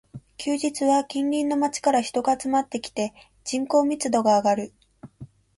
休日は近隣の街から人が集まってきて、人口密度が上がる